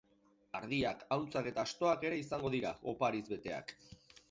Ardiak, ahuntzak eta astoak ere izango dira, opariz beteak.